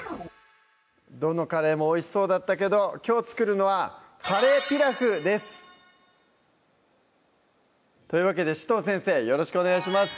どのカレーもおいしそうだったけどきょう作るのは「カレーピラフ」ですというわけで紫藤先生よろしくお願いします